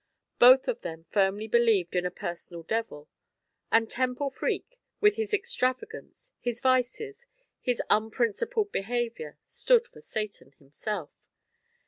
Both of them firmly believed in a personal devil; and Temple Freke, with his extravagance, his vices, his unprincipled behavior, stood for Satan himself.